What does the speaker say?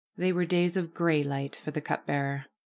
They were days of gray light for the cup bearer.